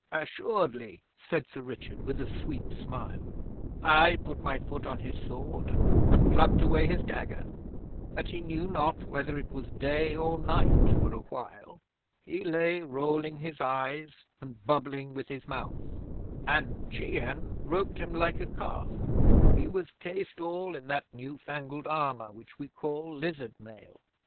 'Assuredly,' said Sir Richard, with a sweet smile. 'I put my foot on his sword and plucked away his dagger, but he knew not whether it was day or night for awhile. He lay rolling his eyes and bubbling with his mouth, and Jehan roped him like a calf. He was cased all in that newfangled armour which we call lizard mail.